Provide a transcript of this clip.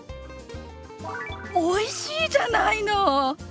おいしいじゃないの！